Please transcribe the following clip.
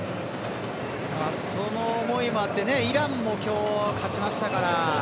その思いもあってイランも今日勝ちましたから。